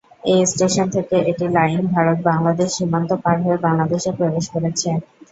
এই স্টেশন থেকে এটি লাইন ভারত-বাংলাদেশ সীমান্ত পার হয়ে বাংলাদেশ-এ প্রবেশ করেছে।